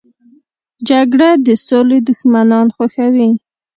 جګړه د سولې دښمنان خوښوي